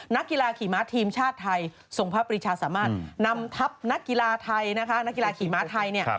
นักกีฬาขี่ม้าทีมชาติไทยทรงพระปริชาสามารถนำทับนักกีฬาขี่ม้าไทยเนี่ย